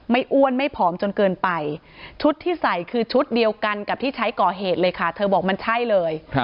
อ้วนไม่ผอมจนเกินไปชุดที่ใส่คือชุดเดียวกันกับที่ใช้ก่อเหตุเลยค่ะเธอบอกมันใช่เลย